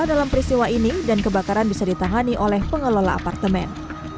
dalam peristiwa ini dan kebakaran bisa ditangani oleh pengelola apartemen